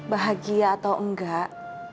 bahagia atau enggak